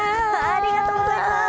ありがとうございます。